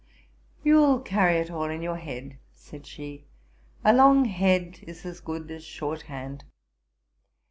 'You'll carry it all in your head; (said she;) a long head is as good as short hand.'